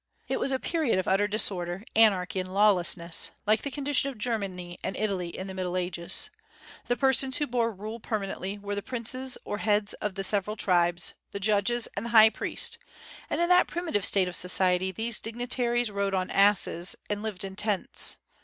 It was a period of utter disorder, anarchy, and lawlessness, like the condition of Germany and Italy in the Middle Ages. The persons who bore rule permanently were the princes or heads of the several tribes, the judges, and the high priest; and in that primitive state of society these dignitaries rode on asses, and lived in tents.